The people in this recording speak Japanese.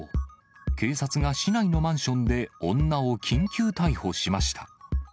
警察が市内のマンションで女を緊急逮捕しました。